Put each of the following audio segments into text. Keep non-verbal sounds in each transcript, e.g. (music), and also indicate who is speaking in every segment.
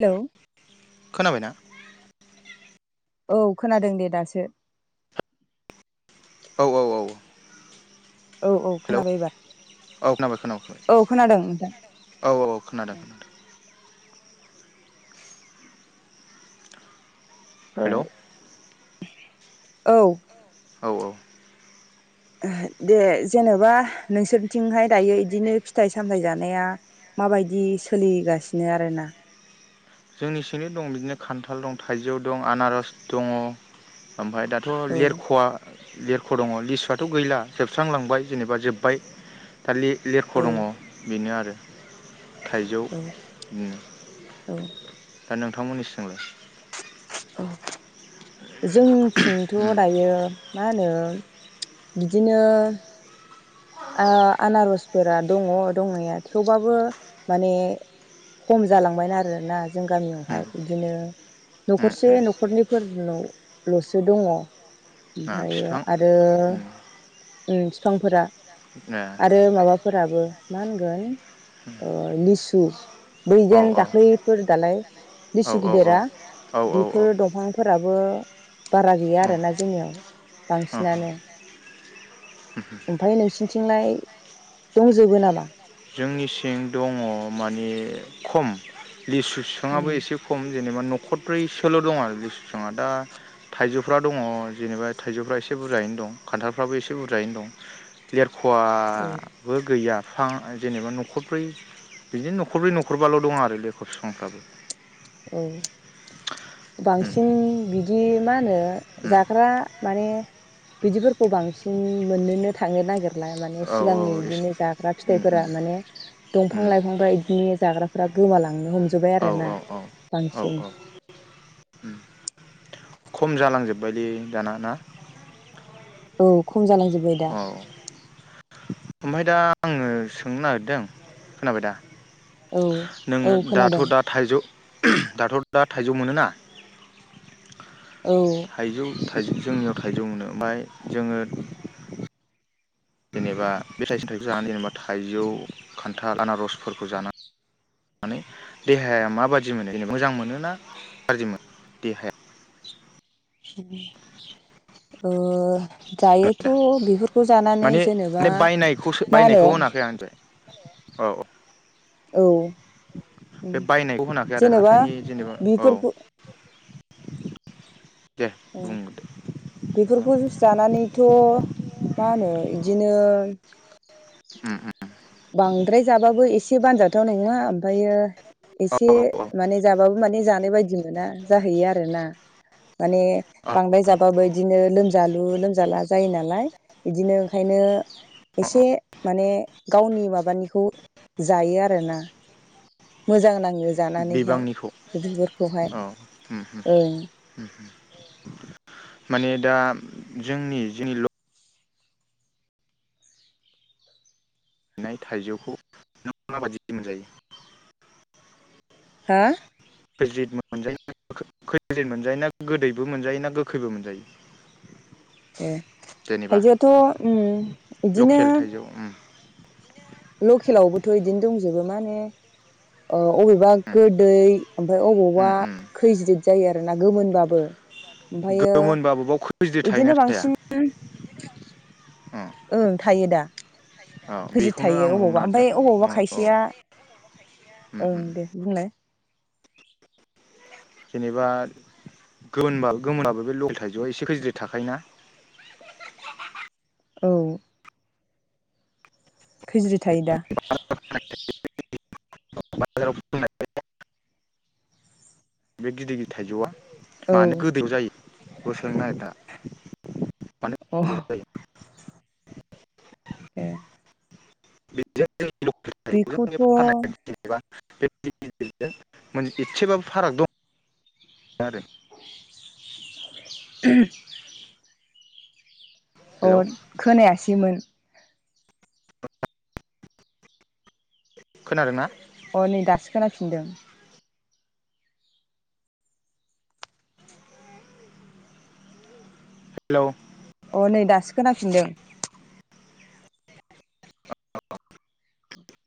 Speaker 1: Hello
Speaker 2: खोनाबायना
Speaker 1: औ खोनादों दे दासो
Speaker 2: औ औ औ
Speaker 1: औ औ
Speaker 2: हेलौ
Speaker 1: खोनाबाय एबार
Speaker 2: औ खोनाबाय खोनाबाय
Speaker 1: औ खोनादों नोंथां
Speaker 2: औ औ औ खोनादों खोनादों हेलौ
Speaker 1: फ्राय औ
Speaker 2: औ औ
Speaker 1: दे जेनेबा नोंसोरथिंहाय दायो बिदिनो फिथाइ सामथायाइ जानाया माबायदि सोलिगासिनो आरोना
Speaker 2: जोंनि सिंनो दं बिदिनो खान्थाल दं थाइजौ दं आनारस दङ ओमफाय दाथ'
Speaker 1: औ
Speaker 2: लेरख'आ लिरख' दङ लिसुआथ' गैला जोबस्रांलांबाय जेनेबा जोब्बाय थालि लेरख'
Speaker 1: औ
Speaker 2: दङ बेनो आरो थाइजौ
Speaker 1: औ
Speaker 2: उम
Speaker 1: औ
Speaker 2: दा नोंथांमोननिसिमलाय
Speaker 1: औ जोंनिथिंथ'
Speaker 2: उम
Speaker 1: दायो मा होनो बिदिनो आ आनारसफोरा दङ दंनाया थेवबाबो माने खम जालांबाय आरो आरोना जों गामियावहाय
Speaker 2: उम
Speaker 1: बिदिनो
Speaker 2: उम
Speaker 1: न'खरसे
Speaker 2: उम
Speaker 1: न'खरनैफोरनावल' लसो दङ
Speaker 2: आ
Speaker 1: ओमफायो
Speaker 2: बिफां
Speaker 1: आरो
Speaker 2: उम
Speaker 1: ओं बिफांफोरा
Speaker 2: ए
Speaker 1: आरो माबा फोराबो मा होनगोन ओ लिसु
Speaker 2: औ
Speaker 1: बैजेन
Speaker 2: औ
Speaker 1: दाख्लैफोर दालाय
Speaker 2: औ
Speaker 1: लिसु
Speaker 2: औ औ
Speaker 1: गिदिरा
Speaker 2: औ औ औ
Speaker 1: बेफोर दंफांफोराबो बारा गैया
Speaker 2: अ
Speaker 1: आरोना जोंनियाव
Speaker 2: अ
Speaker 1: बांसिनानो ओमफाय नोंसिनिथिंलाय दंजोबो नामा
Speaker 2: जोंनि सिं दङ माने खम लिसु बिफाङाबो
Speaker 1: उम
Speaker 2: एसे खम जेनेबा न'खरब्रै सोल' दं आरो दा थाइजौफ्रा दङ जेनेबा थाइजौफ्रा एसे बुरजायैनो दं खान्थालफ्राबो एसे बुरजायैनो दं लेर
Speaker 1: औ
Speaker 2: खवाबो गैया फां जेनेबा न'खरब्रै बिदिनो न'खरब्रै न'खरबाल' दं आरो लेखर बिफांफ्राबो
Speaker 1: औ
Speaker 2: उम
Speaker 1: बांसिन बि बिदि मा होनो
Speaker 2: उम
Speaker 1: जाग्रा माने बिदिफोरखौ बांसिन मोननोनो थांनो नागिरला माने
Speaker 2: औ औ
Speaker 1: सिगांनि
Speaker 2: एसे
Speaker 1: बिदिनो जाग्रा
Speaker 2: उम
Speaker 1: फिथाइफोरा
Speaker 2: उम
Speaker 1: माने दंफां
Speaker 2: उम
Speaker 1: लाइफांफ्रा बिदिनो जाग्राफोरा गोमालांनो हमजोब्बाय
Speaker 2: औ
Speaker 1: आरोना
Speaker 2: औ औ औ
Speaker 1: बांसिन
Speaker 2: औ उम खम जालांजोबबायलै दाना ना
Speaker 1: औ खम जालांजोब्बाय दा
Speaker 2: ओमफाय दा आङो सोंनो नागिरदों खोनाबाय दा?
Speaker 1: औ औ
Speaker 2: नोंङो दाथ'
Speaker 1: खोनादों
Speaker 2: दा थाइजौ (unintelligible) दाथ' दा थाइजौ मोनो ना?
Speaker 1: औ
Speaker 2: थाइजौ थाइ जोंनियाव थाइजौ मोनो ओमफाय जोङो जेनेबा बे थायसे थाइजौ जाना जेनेबा थाइजौ खान्थाल आनारसफोरखौ जानानै देहाया माबादि मोनो जेनेबा मोजां मोनो ना गाज्रि मोन देहाया?
Speaker 1: ओ जायोथ'
Speaker 2: दा
Speaker 1: बिहुर
Speaker 2: माने माने बायनायखौसो
Speaker 1: मा होनो
Speaker 2: बायनायखौ होनाखै आं मिथिबाय? औ।
Speaker 1: औ।
Speaker 2: बे बायनायखौ होनाखै आरो
Speaker 1: जेनेबा
Speaker 2: हाथायनि जेनेबा
Speaker 1: बेफोरखौ
Speaker 2: औ। दे
Speaker 1: ओ
Speaker 2: बुंदो औ
Speaker 1: बेफोरखौ जुस जानानैथ' मा होनो इदिनो
Speaker 2: उम उम
Speaker 1: बांद्राय जाबाबो बो एसे बानजा थाव नङा ओमफायो
Speaker 2: औ
Speaker 1: एसे
Speaker 2: औ औ
Speaker 1: माने जाबाबो माने जानो बायदि मोना जाहैयो आरोना माने
Speaker 2: अ
Speaker 1: बांद्राय जाबाबो इदिनो लोमजालु लोमजाला जायो नालाय बिदिनो ओंखायनो
Speaker 2: अ
Speaker 1: एसे माने गावनि माबानिखौ जायो आरोना। मोजां नांङो।
Speaker 2: बिबांनिखौ औ उम उम
Speaker 1: ओं
Speaker 2: उम। माने दा जोंनि जेनि ल नाय थाइजौखौ नों माबायदि मोनजायो?
Speaker 1: हा?
Speaker 2: खैज्रिद मोनजायो ना (unintelligible) गोदैबो मोनजायो ना गोखैबो मोनजायो?
Speaker 1: ए
Speaker 2: जेनेबा
Speaker 1: थाइजौआथ' उम इदिनो
Speaker 2: लकेल थाइजौ उम
Speaker 1: लकेलावबोथ' इदिनो दंजोबो मानहोनो ओ अबेबा
Speaker 2: उम
Speaker 1: गोदै ओमफ्राय अबावबा
Speaker 2: उम उम
Speaker 1: खैज्रिद जायो आरोना गोमोनबाबो। ओमफ्रायो
Speaker 2: गोमोनबाबो बाव खैज्रिद
Speaker 1: बिदिनो
Speaker 2: थायोना थाया?
Speaker 1: बांसिन
Speaker 2: अ
Speaker 1: ओं थायो दा
Speaker 2: अ
Speaker 1: गोदिर
Speaker 2: बेखौनो आं
Speaker 1: थायो
Speaker 2: बुंनो
Speaker 1: अबावबा ओमफाय
Speaker 2: नागिरदों
Speaker 1: अबावबा
Speaker 2: अ औ
Speaker 1: खायसेया
Speaker 2: उम
Speaker 1: ओं
Speaker 2: उम
Speaker 1: दे बुंलाय।
Speaker 2: जेनेबा गोमोनबा गोमोनाबो बे लकेल थाइजौआ एसे खैज्रिद थाखायोना?
Speaker 1: औ। खैज्रिद थायो दा।
Speaker 2: (unintelligible) बे गिदिर गिदिर थाइजौआ।
Speaker 1: औ
Speaker 2: मानो गोदै जायो? गसनाय दा (inaudible)
Speaker 1: अ ए
Speaker 2: बिदि।
Speaker 1: बेखौथ'
Speaker 2: बे गेजजों एसेबाबो फाराग दं। (unintelligible)
Speaker 1: (unintelligible) अ
Speaker 2: हेलौ
Speaker 1: खोनायासैमोन।
Speaker 2: खोनादों ना।
Speaker 1: अ नै दासो खोनाफिनदों।
Speaker 2: हेलौ
Speaker 1: अ नै दासो खोनाफिनदों।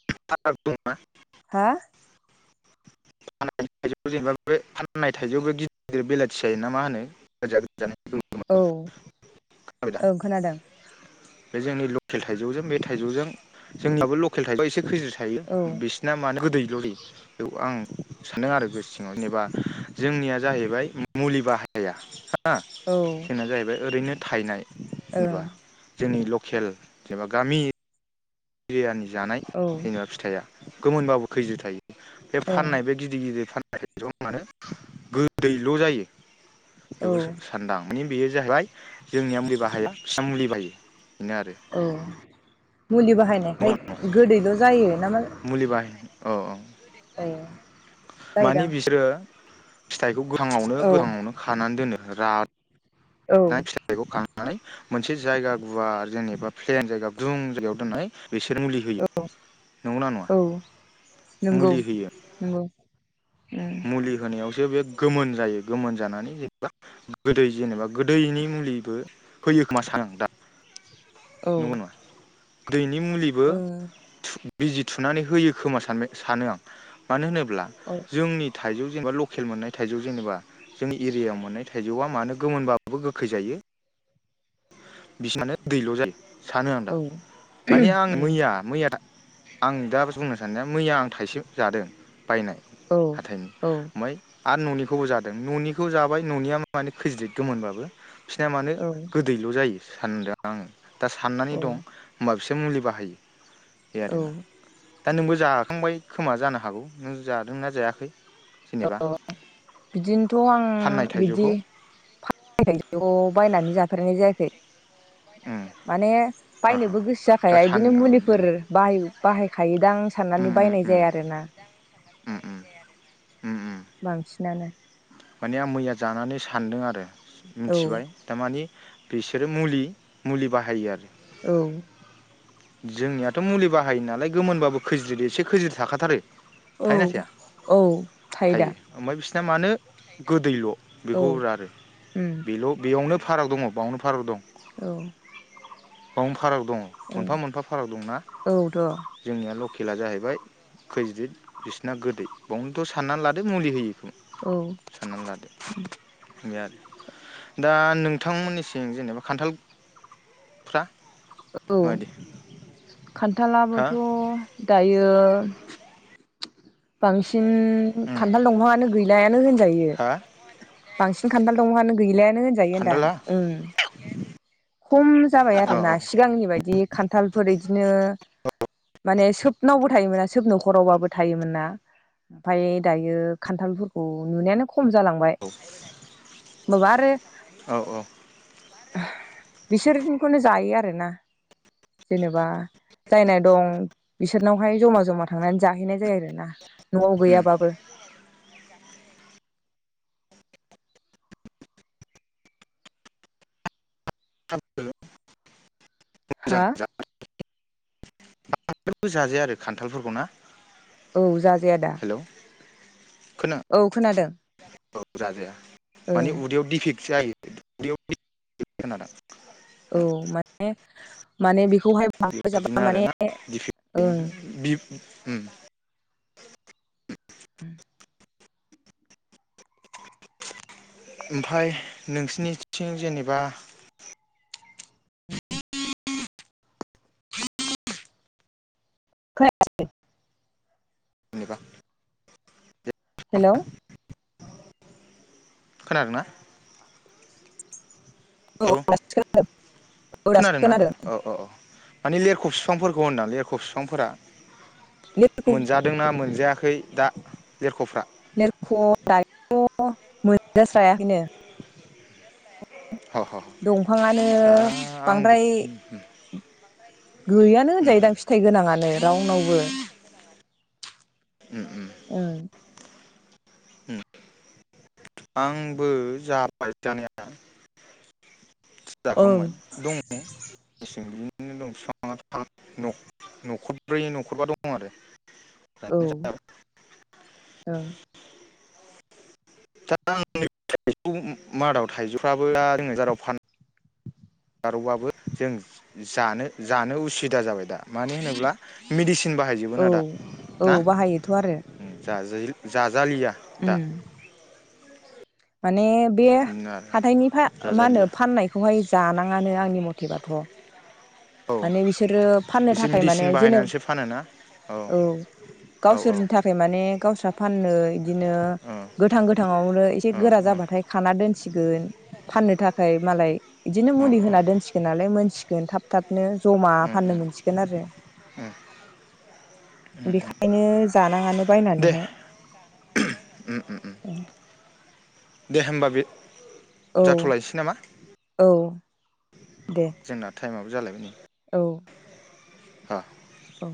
Speaker 2: (unintelligible)
Speaker 1: हा?
Speaker 2: फान थाइौ जेनेबा बे फाननाय थाइजौआवबो गिदिर गिदिर बेलाथि जाय ना मा होनो?
Speaker 1: औ
Speaker 2: (unintelligible) (unintelligible) खोनाबायदा?
Speaker 1: ओं खोनादों
Speaker 2: बे जोंनि लकेल थाइजौजों बे थाइजौजों जोंनाबो लकेल थाइजौआ एसे खैजो थायो
Speaker 1: औ
Speaker 2: बिसोरना मानो गोदैल'लै बेयाव आं सानदों आरो गो सिङाव जेनेबा जोंनिया जाहैबाय मुलि बाहाया। हा
Speaker 1: औ ओं
Speaker 2: खेनिया जाहैबाय ओरैनो थाइनाय। बा जोंनि खेल जेनेबा गामि बिरियनि। जानाय
Speaker 1: औ ओं
Speaker 2: जेनमा फिथाइया। गोमोनबाबो खैजो थायो। बे फाननाय बे गिदिर गिदिर फाननाय ज मे गोदैल' जायो। बे सानदां। बेयो जाहैबाय जोंनिया मुलि बाहाया बिसिनिया मुलि बाहायो। बेनो आरो
Speaker 1: औ। मुलि बाहायनायखाय
Speaker 2: नङा
Speaker 1: गोदैल' जायो।
Speaker 2: मुलि बाहायनाय औ औ।
Speaker 1: ए।
Speaker 2: मानि बिसोरो फिथाइखौ गोथाङावनो
Speaker 1: औ
Speaker 2: गोथाङावनो खानानै दोनो राथ
Speaker 1: औ
Speaker 2: नाय फिथायखौ खा नानै मोनसे जायगा गुवार जेनेबा प्लेन जायगा दुं जायगायाव दोननानै बेसोर मुलि होयो
Speaker 1: औ
Speaker 2: नंगौना नङा
Speaker 1: औ नंगौ
Speaker 2: मुलि होयो
Speaker 1: नंगौ उम
Speaker 2: मुलि होनायाव सो गोमोन जायो गोमोन जानानै जेनेबा गोदै जेनेबा गोदैनि मुलिबो होयो खोमा सानो आं दा
Speaker 1: औ ओ
Speaker 2: नंगौ नङा गोदैनि मुलिबो
Speaker 1: औ
Speaker 2: बिजि थुनानै होयो खोमा सानबाय सानो आं मानो होनो ब्ला
Speaker 1: औ
Speaker 2: जोंनि था थाइजौ जेनेबा लकेल मोननाय थाइजौ जेनेबा जोंनि एरियायाव मोननाय थाइजौआ मानो गोमोनबाबो गोखै जायो बिसिना मानो दैल' जायो सानो आं दा
Speaker 1: उम
Speaker 2: मानि आं
Speaker 1: औ
Speaker 2: मैया मैया आं दा बुंनो साननाया मैया आं थाइसे जादों बायनाय हाथाइनि
Speaker 1: औ
Speaker 2: ओमफ्राय आरो न'निखौबो जादों न'निखौ जाबाय न'निया माने खैज्रिद गोमोनबाबो सिना मानो
Speaker 1: औ
Speaker 2: दैल' जायो सानदों आं दा साननानै
Speaker 1: औ
Speaker 2: दं हमबा बिसो एसे मुलि बाहायो बे
Speaker 1: औ
Speaker 2: आरोना दा नोंबो जाखांबाय खोमा जानो हागौ नों जादोंना जायाखै जेनेबा
Speaker 1: औ बिदिनोथ' आं
Speaker 2: फाननाय
Speaker 1: बिदि
Speaker 2: थाइजौखौ
Speaker 1: फा नाय थाइजौखौ बायनानै जा फेरनाय जायाखै
Speaker 2: उम
Speaker 1: माने
Speaker 2: आहा
Speaker 1: बायनोबो गोसो
Speaker 2: दा
Speaker 1: जाखाया
Speaker 2: सान
Speaker 1: इदिनो
Speaker 2: उम
Speaker 1: मुलिफोर बाहाय बाहायखायो दां साननानै
Speaker 2: उम
Speaker 1: बायनाय
Speaker 2: उम
Speaker 1: जाया आरोना
Speaker 2: उम उम उम उम
Speaker 1: बांसिनानो
Speaker 2: माने आं मैया जानानै सानदों आरो
Speaker 1: औ
Speaker 2: मिथिबाय थारमानि बिसोरो मुलि मुलि बाहायो आरो
Speaker 1: औ
Speaker 2: जोंनियाथ' मुलि बाहायो नालाय गोमोनबाबो खैज्रिद एसे खैज्रिद थाखाथारो
Speaker 1: औ
Speaker 2: थायोना थाया
Speaker 1: औ थायोदा
Speaker 2: दा मानो गोदैल' बेखौ रां आरो
Speaker 1: उम
Speaker 2: बेल' बेयावनो फाराग दङ बावनो फाराग दं
Speaker 1: औ
Speaker 2: बावनो फाराग दङ
Speaker 1: औ
Speaker 2: मोनफा मोनफा फाराग दंना
Speaker 1: औथ'
Speaker 2: जोंनिया ल' खेला जाहैबाय खैज्रिद बिसिना गोदै बावनोथ' साननानै लादो मुलिनि बेखौ
Speaker 1: औ
Speaker 2: साननानै लादो बे आरो दा नोंथांमोननिसिं जेनेबा खान्थालफ्रा
Speaker 1: औ
Speaker 2: मादि
Speaker 1: खान्थालाबोथ' दायो यो बांसिन बांसिन
Speaker 2: उम
Speaker 1: खान्थाल दंफाङानो गैलायानो होनजायो
Speaker 2: हा
Speaker 1: बांसिन खान्थाल दंफाङानो गैलाया नों होनजायो ओनदां
Speaker 2: खान्थाला
Speaker 1: उम कम जाबाय
Speaker 2: औ
Speaker 1: आरो सिगांनि बायदि खान्थालफोरि इदिनो माने सोबनावबो थायोमोना सोब न'खरावबाबो थायोमोन ना ओमफाय दायो खान्थालफोरखौ नुनायानो खम जालांबाय होमबाबो आरो
Speaker 2: औ औ
Speaker 1: बिसोरनिखौनो जायो आर (unintelligible) आरोना जेनेबा जायना दं बिसोरनावहाय जमा जमा थांनानै जाहैनाय जायो आरोना न'आव
Speaker 2: उम
Speaker 1: गैयाबाबो
Speaker 2: हाबो
Speaker 1: हा
Speaker 2: बांबो जाजाया आरो खान्थालफोरखौ ना
Speaker 1: औ जाजाया दा
Speaker 2: हेलौ
Speaker 1: औ खोनादों
Speaker 2: औ जाजाया मानि
Speaker 1: ओं
Speaker 2: उदैयाव दिडफिक (unintelligible)
Speaker 1: औ माने माने बि बेखौहाय बांद्राय जाबा
Speaker 2: बेबादिनो आरोना दिफि
Speaker 1: ओं
Speaker 2: (unintelligible) बिब उम
Speaker 1: (inaudible)
Speaker 2: ओमफाय नोंसिनिथिं जेनेबा
Speaker 1: खोनायाखै?
Speaker 2: जेनबा
Speaker 1: हेलौ
Speaker 2: खोनादोंना?
Speaker 1: औ दासो खोनादों, औ दासो
Speaker 2: खोनादोंना
Speaker 1: खोनादों।
Speaker 2: औ औ औ माने लेरख' बिफांफोरखौ होनदां लिरख' बिफांफोरा
Speaker 1: लेरख'
Speaker 2: मोनजादोंना मोनजायाखै? दा लेरख'फ्रा?
Speaker 1: लेरख' दायोथ' मोनजास्रायाखैनो।
Speaker 2: ह ह
Speaker 1: दंफाङानो
Speaker 2: दा आंबो
Speaker 1: बांद्राय गैयानो
Speaker 2: उम
Speaker 1: होनजायोदां फिथाइ गोनाङानो। रावनावबो।
Speaker 2: उम उम
Speaker 1: ओं
Speaker 2: आंबो जाबाय जानाया।
Speaker 1: ओं
Speaker 2: जाखांबाय दङ मेसें नि। बिनो दंफां न'खरब्रै न'खरबा दं आरो।
Speaker 1: औ औ
Speaker 2: दा आं थाइजौ मादाव थाइजौफ्राबो दा जोङो (unintelligible) (unintelligible) आबो जों जानो जानो उसुबिदा जाबाय दा। मानो होनोब्ला मेडिसिन बाहायजोबोना
Speaker 1: औ
Speaker 2: दा
Speaker 1: औ
Speaker 2: ना?
Speaker 1: बाहायोथ' आरो
Speaker 2: जाजायो जा जालिया दा।
Speaker 1: उम माने बे
Speaker 2: आरो
Speaker 1: हाथायनि फा मा होनो
Speaker 2: जाजालिया
Speaker 1: फाननायखौहाय जानां नाङानो आंनि मथेबाथ'।
Speaker 2: औ
Speaker 1: माने बिसोरो फाननो
Speaker 2: एसे
Speaker 1: थाखाय माने
Speaker 2: मेडिसिन
Speaker 1: जेने
Speaker 2: बाहायनानैसो फानोना
Speaker 1: औ
Speaker 2: औ ओ
Speaker 1: गावसोरनि
Speaker 2: ओ
Speaker 1: थाखाय माने गावस्रा फाननो बिदिनो गोथां गोथाङावनो एसे गोरा जाबाथाय खाना दोनसिगोन फाननो थाखाय मालाय बिदिनो
Speaker 2: ओ
Speaker 1: मुलि होना
Speaker 2: ओ
Speaker 1: दोनसिगोन नालाय मोनसि गोनथाब बिदिनो जमा
Speaker 2: ओ
Speaker 1: फाननो मोनसिगोन आरो बेखायनो जानाङानो
Speaker 2: दे
Speaker 1: बायनानैहाय।
Speaker 2: दे होमबा बे
Speaker 1: औ
Speaker 2: जाथ'लायनोसै नामा?
Speaker 1: औ दे
Speaker 2: जोंना टाइमआबो जालायबाय नै ।
Speaker 1: औ
Speaker 2: हा
Speaker 1: औ